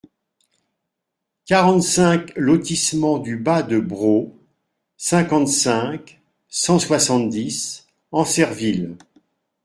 quarante-cinq lotissement du Bas de Braux, cinquante-cinq, cent soixante-dix, Ancerville